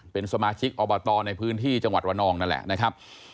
เป็นสมาชิกอบตในพื้นที่จังหวัดระนองนั่นแหละนะครับ